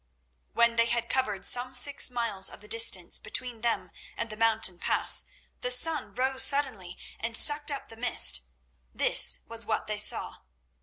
When they had covered some six miles of the distance between them and the mountain pass, the sun rose suddenly and sucked up the mist. This was what they saw.